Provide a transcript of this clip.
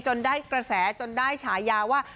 ได้กระแสจนได้ฉายาว่า